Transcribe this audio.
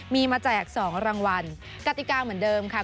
มีมาแจก๒รางวัลกติกาเหมือนเดิมค่ะ